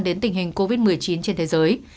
đến tình hình covid một mươi chín trên thế giới